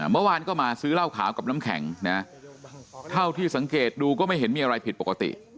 เมื่อวานก็มาซื้อเหล้าขาวกับน้ำแข็งนะเท่าที่สังเกตดูก็ไม่เห็นมีอะไรผิดปกติ